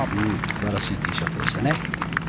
素晴らしいティーショットでしたね。